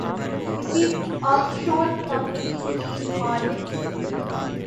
وہ کسی offshore company کے مالک نہیں۔